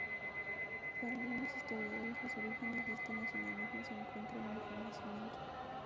Para algunos historiadores los orígenes de este nacionalismo se encuentran en el Renacimiento.